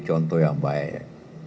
contoh yang baik